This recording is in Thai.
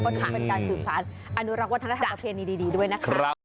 ก็เป็นการสื่อสารอนุรักษ์วัฒนธรรมประเภทดีด้วยนะครับ